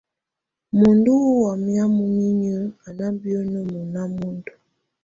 Muəndu wa wamia muninyə a na biəne mɔna muəndu.